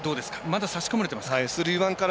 まだ差し込まれてますか。